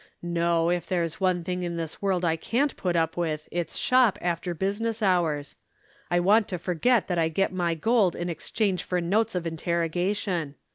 No, if there's one thing in this world I can't put up with, it's 'shop' after business hours. I want to forget that I get my gold in exchange for notes of interrogation.